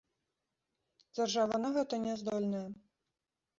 Дзяржава на гэта не здольная.